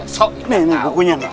so ini bukunya